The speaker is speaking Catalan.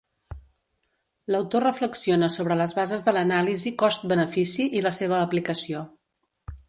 L'autor reflexiona sobre les bases de l'anàlisi cost-benefici i la seva aplicació.